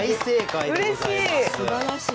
うれしい！